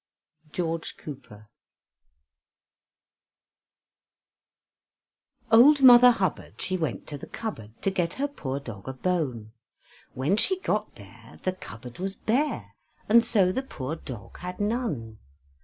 GEORGE COOPER Old Mother Hubbard, she went to the cupboard, To get her poor dog a bone. When she got there, the cupboard was bare, And so the poor dog had none.